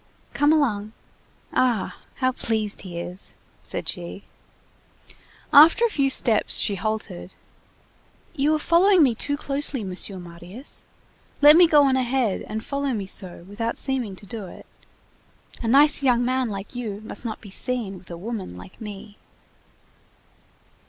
"Come along. Ah! how pleased he is!" said she. After a few steps she halted. "You are following me too closely, Monsieur Marius. Let me go on ahead, and follow me so, without seeming to do it. A nice young man like you must not be seen with a woman like me."